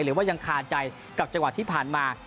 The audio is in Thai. หรือว่ายังคาใจกับจังหวะที่ผ่านมา